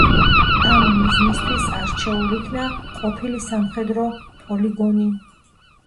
ამ მიზნისთვის არჩეულ იქნა ყოფილი სამხედრო პოლიგონი.